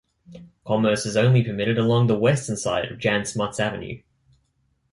Commerce is only permitted along the Western side of Jan Smuts Avenue.